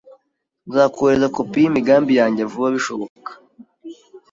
Nzakoherereza kopi yimigambi yanjye vuba bishoboka